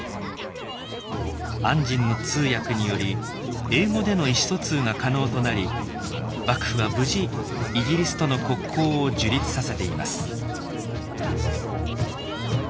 按針の通訳により英語での意思疎通が可能となり幕府は無事イギリスとの国交を樹立させています。